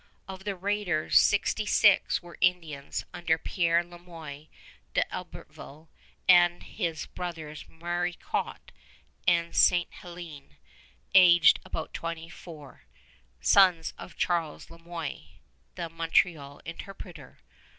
Of the raiders, sixty six were Indians under Pierre Le Moyne d'Iberville and his brothers, Maricourt and Ste. Hélène, aged about twenty four, sons of Charles Le Moyne, the Montreal interpreter.